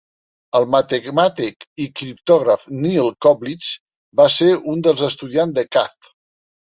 El matemàtic i criptògraf Neal Koblitz va ser un dels estudiants de Katz.